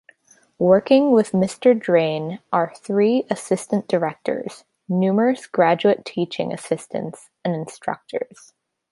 Working with Mr. Drane are three assistant directors, numerous graduate teaching assistants, and instructors.